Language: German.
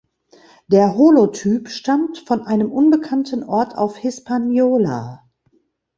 Der Holotyp stammt von einem unbekannten Ort auf Hispaniola.